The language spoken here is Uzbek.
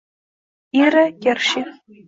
Ira Gershvin